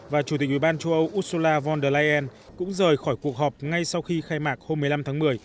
và chủ tịch ủy ban châu âu ursula von der leyen cũng rời khỏi cuộc họp ngay sau khi khai mạc hôm một mươi năm tháng một mươi